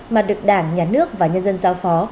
mà được đảng nhà nước và nhân dân giao phó